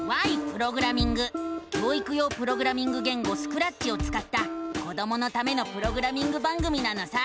教育用プログラミング言語「スクラッチ」をつかった子どものためのプログラミング番組なのさ！